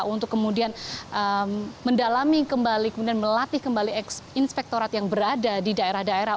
untuk kemudian mendalami kembali kemudian melatih kembali inspektorat yang berada di daerah daerah